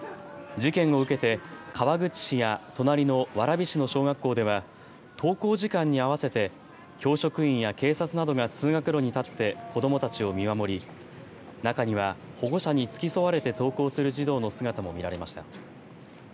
事件を受けて川口市や隣の蕨市の小学校では登校時間に合わせて教職員や警察などが通学路に立って子どもたちを見守り中には保護者に付き添われて登校する児童の姿も見られました。